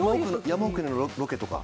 山奥のロケとか。